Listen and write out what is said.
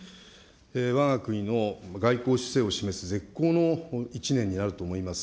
わが国の外交姿勢を示す絶好の１年になると思います。